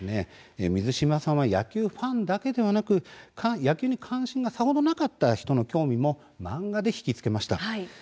水島さんは野球ファンだけではなく野球に関心がさほどなかった人の興味も漫画で引きつけました。